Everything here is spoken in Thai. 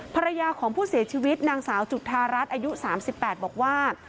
ภรรยาของผู้เสียชีวิตนางสาวจุธารัฐอายุ๓๘บอกว่า